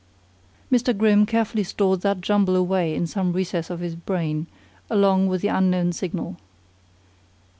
Mr. Grimm carefully stored that jumble away in some recess of his brain, along with the unknown signal.